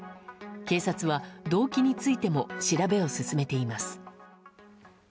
警察は動機についても調べを進めています。